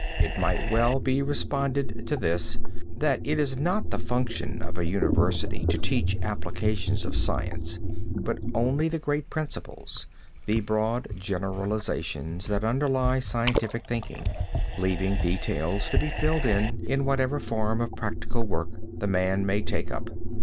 It might well he responded to this, that it is not the function of a university to teach applications of science but only the great principles, the broad generalizations that underlie scientific thinking, leaving details to be filled in in whatever form of practical work the man may take up.